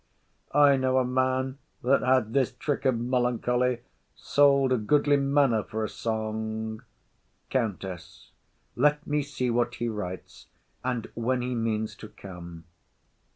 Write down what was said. I know a man that had this trick of melancholy sold a goodly manor for a song. COUNTESS. Let me see what he writes, and when he means to come.